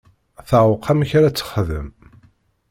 Teɛweq amek ara texdem.